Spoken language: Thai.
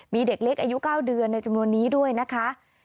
มีเด็กเล็กอายุ๙เดือนในจำนวนนี้ด้วยนะคะ